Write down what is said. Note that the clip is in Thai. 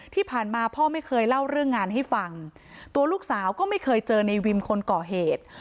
ที่ผ่านมาพ่อไม่เคยเล่าเรื่องงานให้ฟังตัวลูกสาวก็ไม่เคยเจอในวิมคนก่อเหตุ